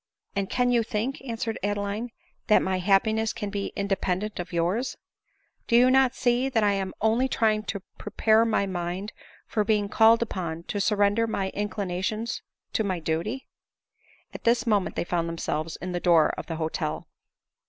" And can you think," answered Adeline, " that my ' happiness can be independent of yours ? Do you not see that I am only trying to prepare my mind for being called upon to surrender my inclinations to my duty ?" At this moment they found themselves at the door of the hotel.